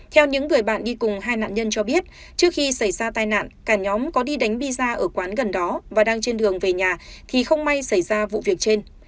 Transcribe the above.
theo những người bạn đi cùng hai nạn nhân cho biết trước khi xảy ra tai nạn cả nhóm có đi đánh visa ở quán gần đó và đang trên đường về nhà thì không may xảy ra vụ việc trên